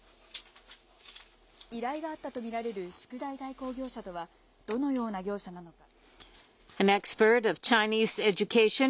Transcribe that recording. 依頼があったと見られる宿題代行業者とはどのような業者なのか。